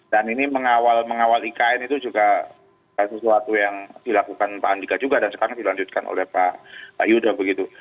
dan ini mengawal mengawal ikn itu juga sesuatu yang dilakukan pak andika juga dan sekarang dilanjutkan oleh pak yudho begitu